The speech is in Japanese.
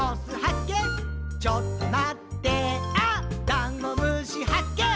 ダンゴムシはっけん